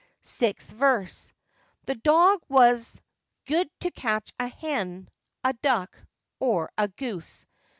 Sixth Verse.—The 'dog' was 'good to catch a hen,' a 'duck,' or a 'goose.